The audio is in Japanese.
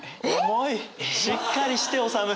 しっかりして治！